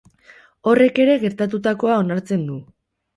Horrek ere gertatutakoa onartzen du.